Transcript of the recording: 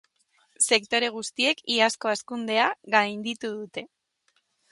Sektore guztiek iazko hazkundea gainditu dute.